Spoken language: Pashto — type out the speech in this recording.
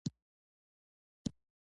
له بله پلوه د کار توکي د وسایلو ټولګه ده.